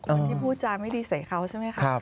คนที่พูดจาไม่ดีใส่เขาใช่ไหมคะ